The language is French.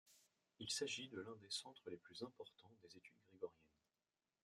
Il s'agit de l'un des centres les plus importants des études grégoriennes.